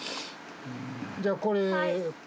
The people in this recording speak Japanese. じゃあこれ。